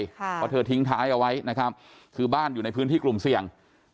เพราะเธอทิ้งท้ายเอาไว้นะครับคือบ้านอยู่ในพื้นที่กลุ่มเสี่ยง